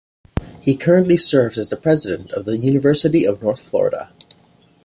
He currently serves as the president of the University of North Florida.